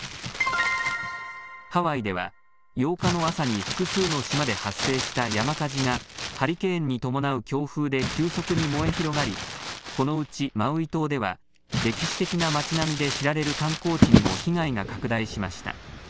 ハワイでは８日の朝に複数の島で発生した山火事がハリケーンに伴う強風で急速に燃え広がりこのうちマウイ島では歴史的な町並みで知られる観光地にも被害が拡大しました。